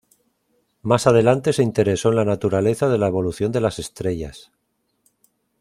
Más adelante se interesó en la naturaleza de la evolución de las estrellas.